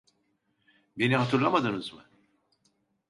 Beni hatırlamadınız mı?